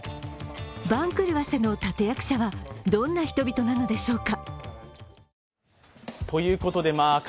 番狂わせの立て役者はどんな人々なのでしょうか。